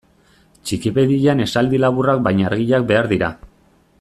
Txikipedian esaldi laburrak baina argiak behar dira.